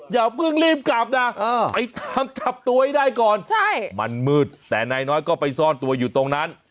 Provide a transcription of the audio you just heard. อย่าเพิ่งรีบกลับนะไปตามจับตัวให้ได้ก่อนมันมืดแต่นายน้อยก็ไปซ่อนตัวอยู่ตรงนั้น